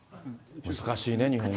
難しいね、日本語は。